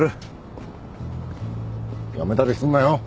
辞めたりすんなよ